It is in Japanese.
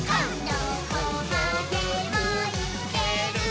「どこまでもいけるぞ！」